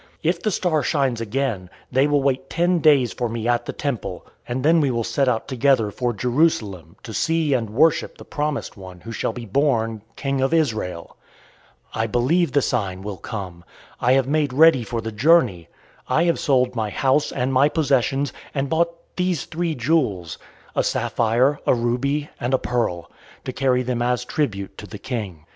If the star shines again, they will wait ten days for me at the temple, and then we will set out together for Jerusalem, to see and worship the promised one who shall be born King of Israel. I believe the sign will come. I have made ready for the journey. I have sold my house and my possessions, and bought these three jewels a sapphire, a ruby, and a pearl to carry them as tribute to the King.